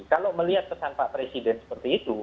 kalau melihat pesan pak presiden seperti itu